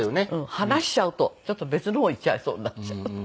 離しちゃうとちょっと別の方いっちゃいそうになっちゃう。